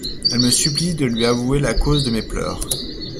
Elle me supplie de lui avouer la cause de mes pleurs.